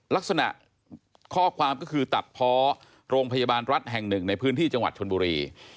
ลักษณะข้อความก็คือตัดเพาะโรงพยาบาลรัฐแห่งหนึ่งในพื้นที่จังหวัดชนบุรี